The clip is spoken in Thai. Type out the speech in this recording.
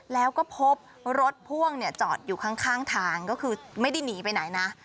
แล้วก็พบรถพ่วงจอดอยู่ข้างทางก็คือไม่ได้หนีไปไหนนะ